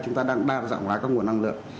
chúng ta đang đa dạng hóa các nguồn năng lượng